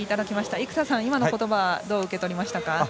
生田さん、今の言葉はどう受け取りましたか？